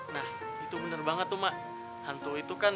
nah itu bener banget tuh mak